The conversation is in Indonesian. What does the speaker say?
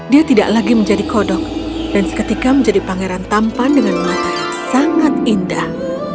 dia tidak lagi menjadi kodok dan seketika menjadi pangeran tampan dengan mata yang sangat indah